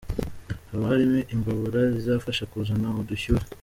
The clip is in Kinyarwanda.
Haba harimo imbabura izifasha kuzana ubushyuhe.